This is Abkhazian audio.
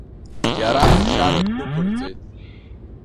Иара ԥсшьара ддәықәырҵеит…